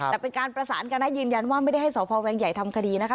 แต่เป็นการประสานกันนะยืนยันว่าไม่ได้ให้สพแวงใหญ่ทำคดีนะคะ